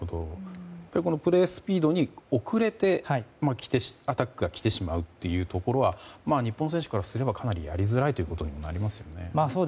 このプレースピードに遅れてアタックが来てしまうというところは日本選手からすればやりづらいことになりますよね。